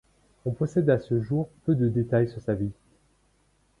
On possède à ce jour peu de détail sur sa vie.